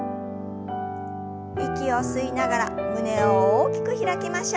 息を吸いながら胸を大きく開きましょう。